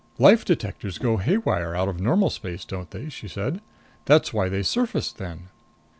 "Life detectors go haywire out of normal space, don't they?" she said. "That's why they surfaced then."